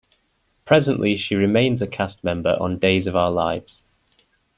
Presently, she remains a cast member of "Days of Our Lives".